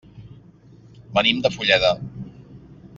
Venim de Fulleda.